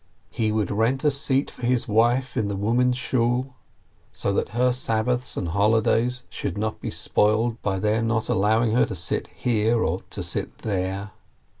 He would rent a seat for his wife in the women's Shool, so that her Sabbaths and holidays should not be spoiled by their not allowing her to sit here or to sit there.